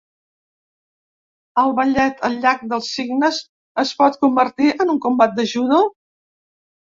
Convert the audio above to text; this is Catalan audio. El ballet El llac dels cignes es pot convertir en un combat de judo?